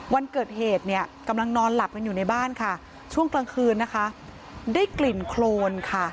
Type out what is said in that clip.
วันเกิดเหตุเนี่ยกำลังนอนหลับกันอยู่ในบ้านค่ะช่วงกลางคืนนะคะได้กลิ่นโครนค่ะ